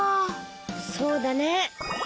そうだね。